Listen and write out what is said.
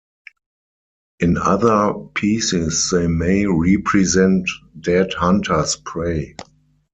In other pieces they may represent dead hunter's prey.